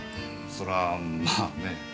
そりゃあまあね。